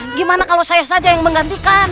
gimana kalau saya saja yang menggantikan